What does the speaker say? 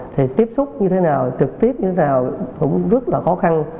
thì tiếp xúc như thế nào trực tiếp như thế nào cũng rất là khó khăn